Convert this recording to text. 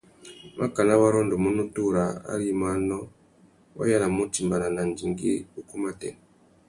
Makana wa rôndômú nutu râā ari i mú anô, wa yānamú utimbāna na andigüî ukú matê.